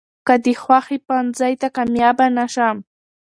،که د خوښې پوهنځۍ ته کاميابه نشم.